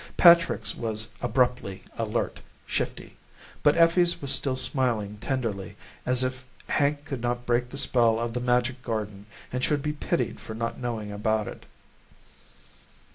Patrick's was abruptly alert, shifty. But Effie's was still smiling tenderly, as if Hank could not break the spell of the magic garden and should be pitied for not knowing about it.